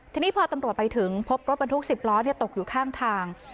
ทีนี้พอตำรวจไปถึงพบรถบรรทุก๑๐ล้อตกอยู่ข้างทาง